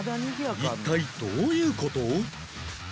一体どういう事？